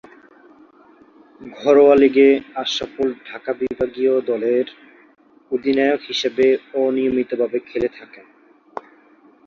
ঘরোয়া লীগে আশরাফুল ঢাকা বিভাগীয় দলের অধিনায়ক হিসেবে অনিয়মিতভাবে খেলে থাকেন।